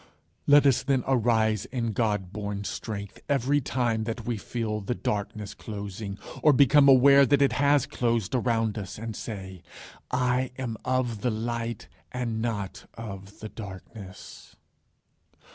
Let us then arise in God born strength every time that we feel the darkness closing, or Become aware that it has closed around us, and say, "I am of the Light and not of the Darkness."